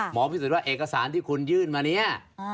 พิสูจน์ว่าเอกสารที่คุณยื่นมาเนี่ย